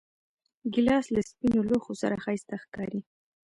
ګیلاس له سپینو لوښو سره ښایسته ښکاري.